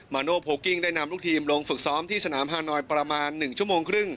โนโพลกิ้งได้นำลูกทีมลงฝึกซ้อมที่สนามฮานอยประมาณ๑ชั่วโมงครึ่ง